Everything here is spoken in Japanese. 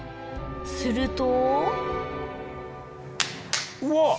するとうわっ！